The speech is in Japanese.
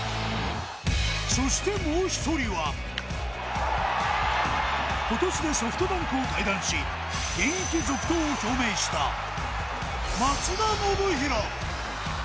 そしてもう一人は、今年でソフトバンクを退団し現役続行を表明した松田宣浩。